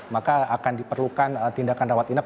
maka akan diperlukan tindakan rawat inap